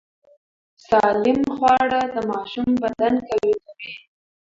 سالم خواړه د ماشوم بدن قوي کوي۔